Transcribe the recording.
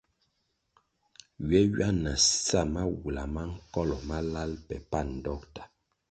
Ywe ywia na sa mawula ma nkolo malal pe pan dokta.